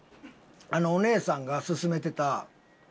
あのお姉さんが勧めてたスター。